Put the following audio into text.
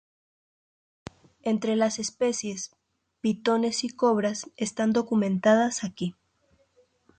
Entre las especies, pitones y cobras están documentadas aquí.